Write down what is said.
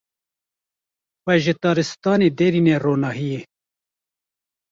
Xwe ji taristanê derîne ronahiyê.